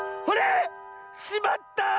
あれ⁉しまった！